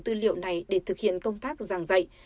tư liệu này để thực hiện công tác giảng dạy